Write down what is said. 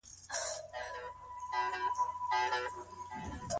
ځوانان باید د ستونزو پر مهال مرسته وغواړي.